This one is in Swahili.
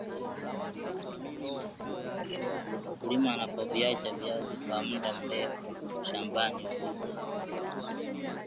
mkulima anapoviacha viazi kwa mda mrefu shamabani wadudu